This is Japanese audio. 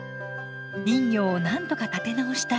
林業をなんとか立て直したい。